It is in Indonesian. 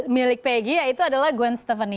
milik peggy ya itu adalah gwen stefani